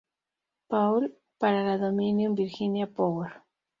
Paul, para la Dominion Virginia Power.